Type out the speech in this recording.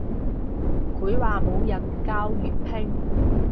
佢話冇人教粵拼